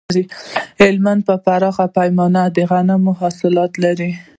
هلمند په پراخه پیمانه د غنمو حاصلات لري